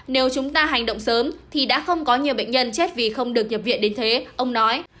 nếu chúng ta hành động sớm thì đã không có nhiều bệnh nhân chết vì không được nhập viện đến thế ông nói